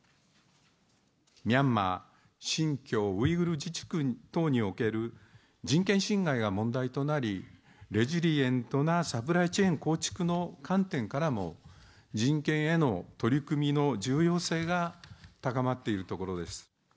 ミャンマー、新疆ウイグル自治区等における人権侵害が問題となり、レジリエントなサプライチェーン構築の観点からも、人権への取り組みの重要性が高まっているところです。